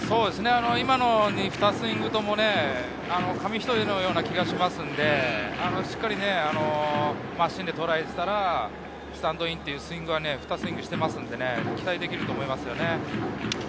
今ので２スイングとも紙一重のような気がしますんで、しっかりと芯でとらえていたらスタンドインというスイングは２スイングしていますので期待できると思いますよね。